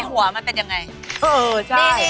ในหัวมันเป็นอย่างไรเออใช่